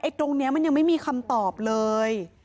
ตรงนี้มันยังไม่มีคำตอบเลย